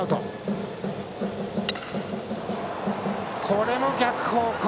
これも逆方向。